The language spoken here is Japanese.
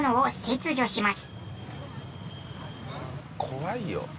怖いよ。